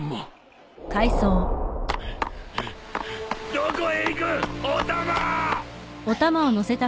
どこへ行く！お玉！